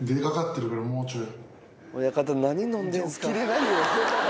親方何飲んでんすか。